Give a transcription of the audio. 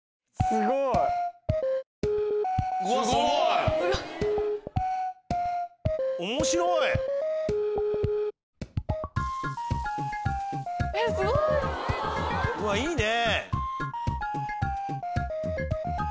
すごい！いいね！